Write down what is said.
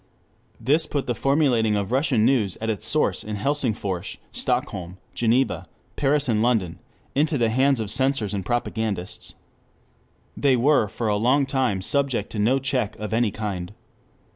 This put the formulating of Russian news at its source in Helsingfors, Stockholm, Geneva, Paris and London, into the hands of censors and propagandists. They were for a long time subject to no check of any kind.